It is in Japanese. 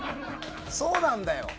そうなんだよ。